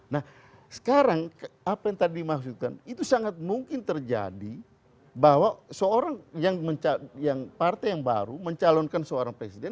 nah sekarang apa yang tadi dimaksudkan itu sangat mungkin terjadi bahwa seorang yang partai yang baru mencalonkan seorang presiden